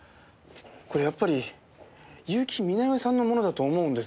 これやっぱり結城美奈世さんのものだと思うんです。